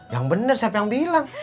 yang benar siapa yang bilang